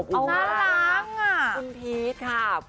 น่ารักกกก